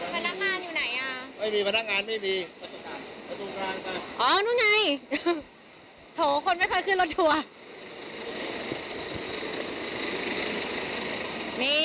อำเวิร์ดสุวรรณภูมิครับจังหวัดร้อยเอ็ดครับ